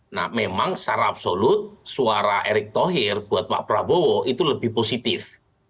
nah memang secara absolut suara erick thohir buat pak prabowo itu lebih positif